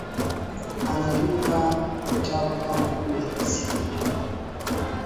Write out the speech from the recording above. Anaandika vitabu kama vile siku njema